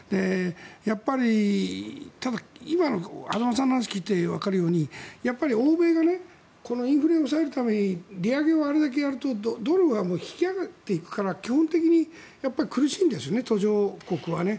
やっぱりただ、今の間さんの話を聞いてわかるようにやっぱり欧米がインフレを抑えるために利上げをあれだけやるとドルは引き揚げていくから基本的に苦しいんですよね途上国はね。